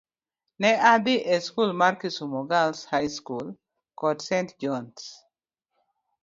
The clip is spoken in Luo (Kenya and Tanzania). Ne adhi e skul mar Kisumu Girls High School kod St. John's.